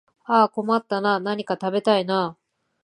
ああ困ったなあ、何か食べたいなあ